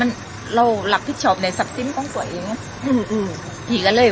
สุดท้ายสุดท้ายสุดท้ายสุดท้าย